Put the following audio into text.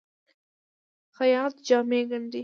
خیاط جامې ګنډي.